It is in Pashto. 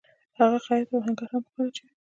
هغه خیاط او آهنګر هم په کار اچوي